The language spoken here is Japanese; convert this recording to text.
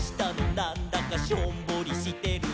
なんだかしょんぼりしてるね」